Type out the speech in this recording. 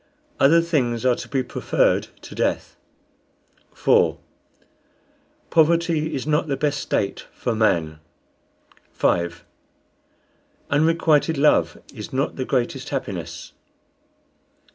Other things are to be preferred to death. 4. Poverty is not the best state for man. 5. Unrequited love is not the greatest happiness.